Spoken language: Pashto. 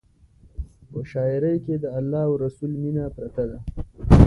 په شاعرۍ کې د الله او رسول مینه پرته ده.